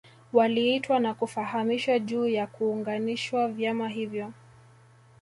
Waliitwa na kufahamishwa juu ya kuunganishwa vyama hivyo